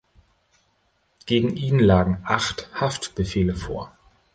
Gegen ihn lagen acht Haftbefehle vor.